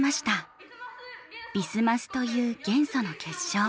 「ビスマス」という元素の結晶。